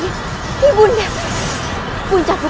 para pengusaha jawa